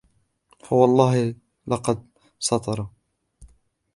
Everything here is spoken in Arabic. فَوَاَللَّهِ لَقَدْ سَتَرَ